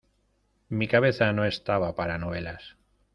Mi cabeza no estaba para novelas.